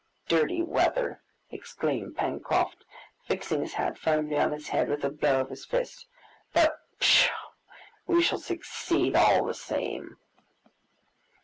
"Dirty weather!" exclaimed Pencroft, fixing his hat firmly on his head with a blow of his fist; "but pshaw, we shall succeed all the same!"